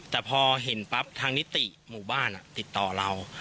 แต่พอเห็นปั๊บทางนิติหมู่บ้านติดต่อเรา